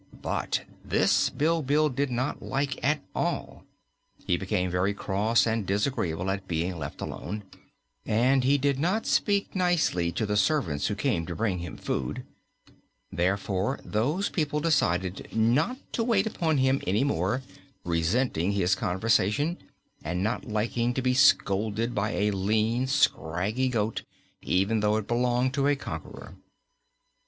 But this Bilbil did not like at all. He became very cross and disagreeable at being left alone and he did not speak nicely to the servants who came to bring him food; therefore those people decided not to wait upon him any more, resenting his conversation and not liking to be scolded by a lean, scraggly goat, even though it belonged to a conqueror.